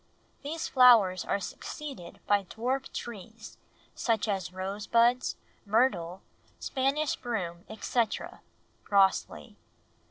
These flowers are succeeded by dwarf trees, such as rose buds, myrtle, Spanish broom, etc." (Grosley.)